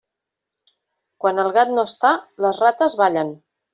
Quan el gat no està, les rates ballen.